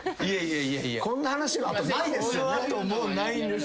こんな話の後ないですよね。